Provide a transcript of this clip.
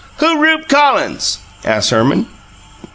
"Who Rupe Collins?" asked Herman.